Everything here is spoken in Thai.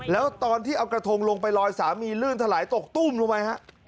แล้วตอนที่เอากระทงลงไปลอยสามีลื่นถลายตกตุ้มลงไปฮะ